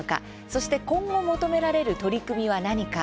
そして今後求められる取り組みは何か。